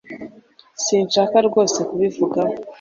Sinshaka rwose kubivugaho.